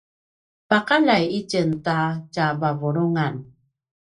paqaljai itjen ta tjavavulungan